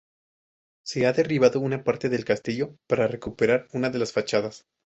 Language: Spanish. Se ha derribado una parte del Castillo para recuperar una de las fachadas.